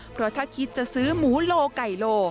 เพราะถ้าคิดจะซื้อหมูโลไก่โล